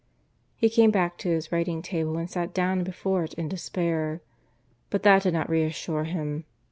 He came back to his writing table and sat down before it in despair. But that did not reassure him.